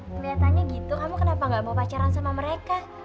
kelihatannya gitu kamu kenapa gak mau pacaran sama mereka